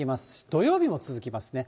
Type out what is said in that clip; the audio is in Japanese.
土曜日も続きますね。